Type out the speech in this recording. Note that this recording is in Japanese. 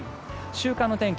週間の天気